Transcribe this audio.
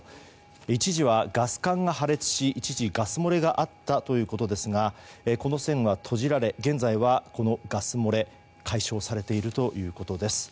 一時はガス管が破裂しガス漏れがあったということですがこの栓は閉じられ現在は、このガス漏れ解消されているということです。